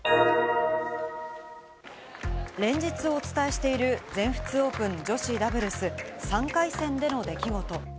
連日お伝えしている全仏オープン女子ダブルス、３回戦での出来事。